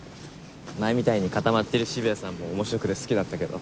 前みたいに固まってる渋谷さんも面白くて好きだったけど。